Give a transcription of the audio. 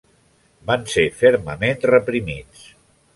Van ser fermament reprimits.